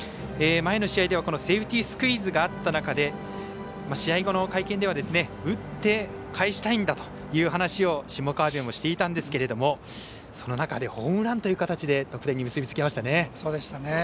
前の試合ではセーフティースクイズがあった中で試合後の会見では打って返したいんだという話を下川邊もしていたんですけれどもその中でホームランという形で得点に結び付けましたね。